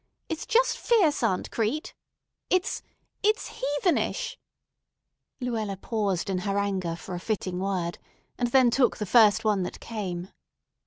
It's just fierce, Aunt Crete! It's—it's heathenish!" Luella paused in her anger for a fitting word, and then took the first one that came.